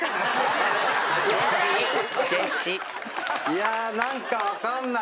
いや何か分かんない。